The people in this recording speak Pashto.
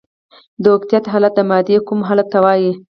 د اوکتیت حالت د مادې کوم حال ته وايي؟